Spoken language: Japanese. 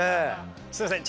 すいません